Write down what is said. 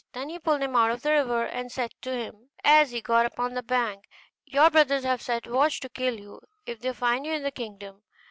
Then he pulled him out of the river, and said to him, as he got upon the bank, 'Your brothers have set watch to kill you, if they find you in the kingdom.